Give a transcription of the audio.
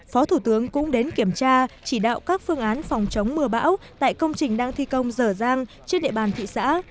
phó thủ tướng cũng đến kiểm tra chỉ đạo các phương án phòng chống mưa bão tại công trình đang thi công dở dang trên địa bàn thị xã